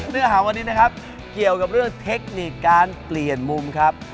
เนื้อหาวันนี้นะครับเกี่ยวกับเรื่องเทคนิคการเปลี่ยนมุมครับ